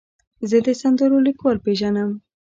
زه د سندرو لیکوال پیژنم.